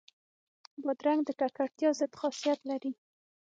بادرنګ د ککړتیا ضد خاصیت لري.